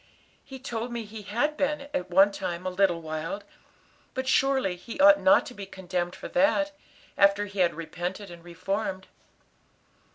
He told me he had been, at one time, a little wild, but surely he ought not to be condemned for that, after he had repented and reformed."